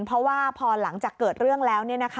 เพราะว่าพอหลังจากเกิดเรื่องแล้ว